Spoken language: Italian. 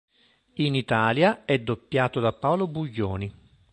In Italia è doppiato da Paolo Buglioni.